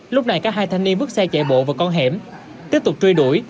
lúc này các hai thanh niên bước xe chạy bộ vào con hẻm tiếp tục truy đuổi